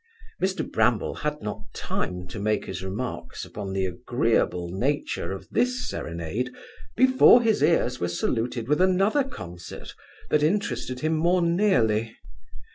Mr Bramble had not time to make his remarks upon the agreeable nature of this serenade, before his ears were saluted with another concert that interested him more nearly.